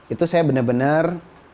itu saya benar benar